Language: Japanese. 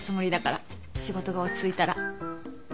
仕事が落ち着いたら。